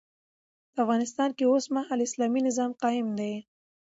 په افغانستان کي اوسمهال اسلامي نظام قايم دی